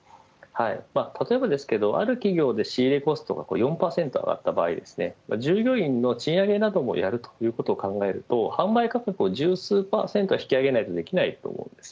例えばですけどある企業で仕入れコストが４％上がった場合従業員の賃上げなどもやるということを考えると販売価格を十数％引き上げないとできないと思うんです。